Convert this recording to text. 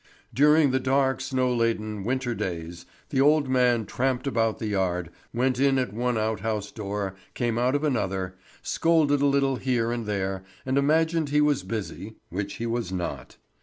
During the dark, snow laden, winter days, the old man tramped about the yard, went in at one outhouse door, came out of another, scolded a little here and there, and imagined he was busy, which he was not.